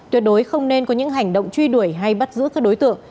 tuyệt đối không nên có những hành động truy đuổi hay bắt giữ các đối tượng